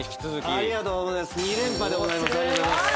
ありがとうございます。